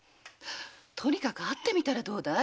とにかく会ってみたらどうだい？